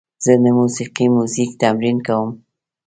زه د موسیقۍ میوزیک تمرین کوم.